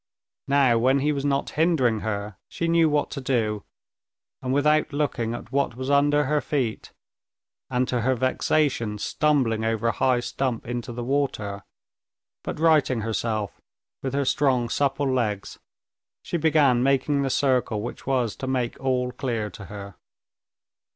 Now when he was not hindering her, she knew what to do, and without looking at what was under her feet, and to her vexation stumbling over a high stump into the water, but righting herself with her strong, supple legs, she began making the circle which was to make all clear to her.